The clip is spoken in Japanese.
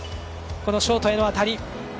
ショートへの当たり。